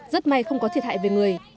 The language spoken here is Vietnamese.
rất may không có thiệt hại về người